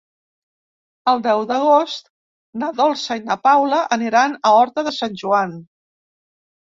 El deu d'agost na Dolça i na Paula aniran a Horta de Sant Joan.